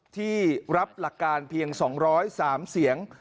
ที่รับหลักการเพียง๒๐๓เสียง